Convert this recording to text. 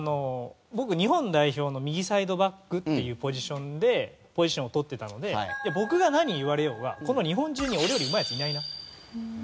僕日本代表の右サイドバックっていうポジションでポジションをとってたので僕が何言われようがこの日本中に俺よりうまいヤツいないな。